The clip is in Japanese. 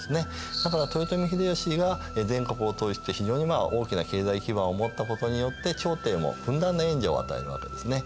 だから豊臣秀吉が全国を統一して非常にまあ大きな経済基盤を持ったことによって朝廷もふんだんな援助を与えるわけですね。